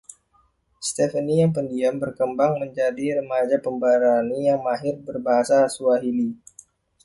Stefanie, yang pendiam, berkembang menjadi remaja pemberani yang mahir berbahasa Swahili.